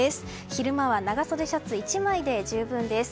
昼間は長袖シャツ１枚で十分です。